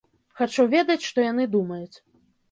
Хачу ведаць, што яны думаюць.